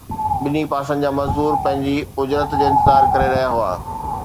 ٻنهي پاسن جا مزدور پنهنجي اجرت جو انتظار ڪري رهيا هئا